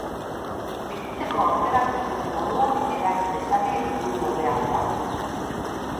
Bizitzeko aukeratzen dugun moduak eragin dezake inguru hobeagoa.